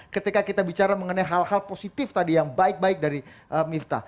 ketika kita bicara mengenai hal hal positif tadi yang baik baik dari miftah